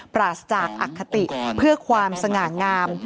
ปราศจากอคติเพื่อความสง่างาม